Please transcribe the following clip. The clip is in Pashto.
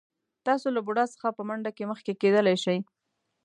تاسو له بوډا څخه په منډه کې مخکې کېدلی شئ.